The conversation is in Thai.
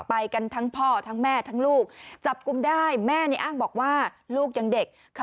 ไปกันทั้งพ่อทั้งแม่ทั้งลูกจับกลุ่มได้แม่นี่อ้างบอกว่าลูกยังเด็กค่ะ